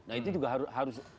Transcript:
nah itu juga harus